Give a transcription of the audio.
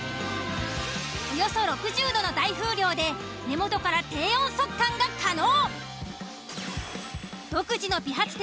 およそ６０℃の大風量で根元から低温速乾が可能。